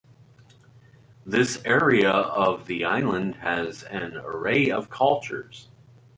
This area of the Island has an array of cultures.